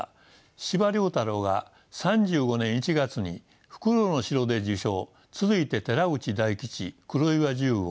司馬太郎が３５年１月に「梟の城」で受賞続いて寺内大吉黒岩重吾